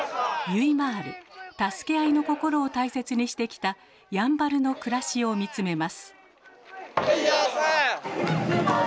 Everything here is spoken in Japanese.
助け合いの心を大切にしてきたやんばるの暮らしを見つめます